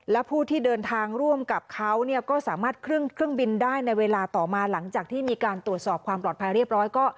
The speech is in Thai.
และผู้ที่เดินทางร่วมกับเขาก็สามารถเครื่องบินได้ในเวลาต่อมาหลังจากที่มีการตรวจสอบความปลอดภัยเรียบร้อยก็